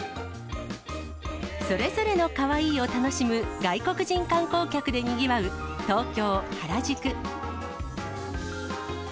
それぞれのカワイイを楽しむ外国人観光客でにぎわう東京・原宿。